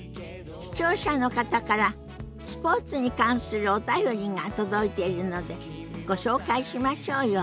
視聴者の方からスポーツに関するお便りが届いているのでご紹介しましょうよ。